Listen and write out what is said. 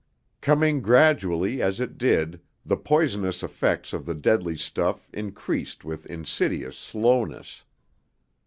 Coming gradually, as it did, the poisonous effects of the deadly stuff increased with insidious slowness.